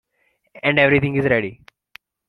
And everything is ready.